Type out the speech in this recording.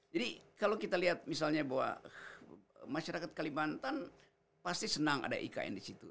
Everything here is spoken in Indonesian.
jadi kalau kita lihat misalnya bahwa masyarakat kalimantan pasti senang ada ikn disitu